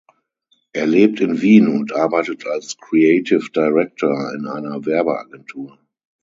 Er lebt in Wien und arbeitet als Creative Director in einer Werbeagentur.